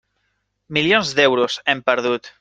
Milions d'euros, hem perdut.